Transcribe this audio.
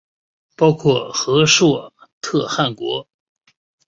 包括和硕特汗国。